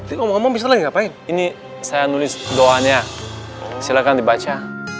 ini saya nulis doanya silakan dibaca